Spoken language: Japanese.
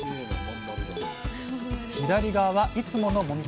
左側はいつものもみ方です。